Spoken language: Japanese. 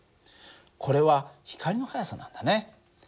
これは光の速さなんだね。